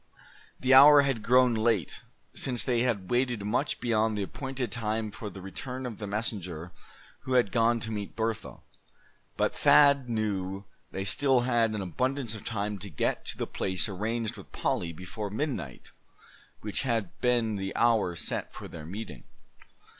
The hour had grown late, since they had waited much beyond the appointed time for the return of the messenger who had gone to meet Bertha. But Thad knew they still had an abundance of time to get to the place arranged with Polly, before midnight, which had been the hour set for their meeting.